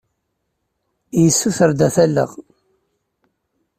Yessuter-d ad t-alleɣ.